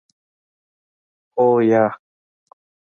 هو 👍 یا 👎